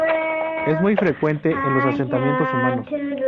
Es muy frecuente en los asentamientos humanos.